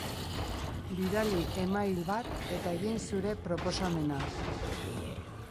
Bidali e-mail bat eta egin zure proposamena.